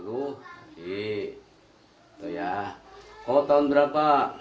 oh tahun berapa